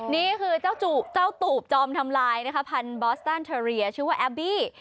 นี่คือเจ้าตูบจอมทำลายนะคะพันธุ์บอสตันเทอเรียชื่อว่าแอบบี้